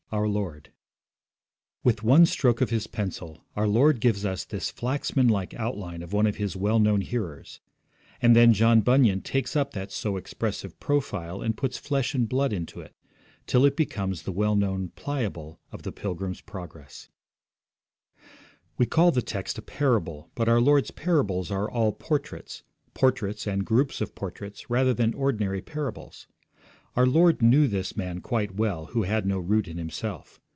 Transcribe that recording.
Our Lord. With one stroke of His pencil our Lord gives us this Flaxman like outline of one of his well known hearers. And then John Bunyan takes up that so expressive profile, and puts flesh and blood into it, till it becomes the well known Pliable of The Pilgrim's Progress. We call the text a parable, but our Lord's parables are all portraits portraits and groups of portraits, rather than ordinary parables. Our Lord knew this man quite well who had no root in himself.